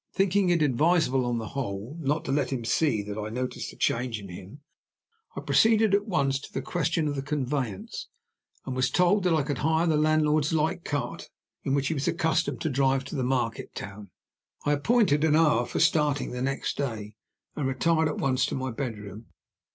Thinking it advisable, on the whole, not to let him see that I noticed a change in him, I proceeded at once to the question of the conveyance, and was told that I could hire the landlord's light cart, in which he was accustomed to drive to the market town. I appointed an hour for starting the next day, and retired at once to my bedroom.